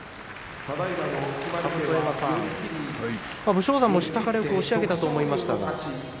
甲山さん、武将山も下からよく押し上げたと思いましたが。